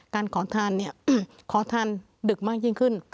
การขอทานขอทานดึกมากยิ่งขึ้น